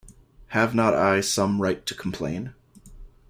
Have not I some right to complain?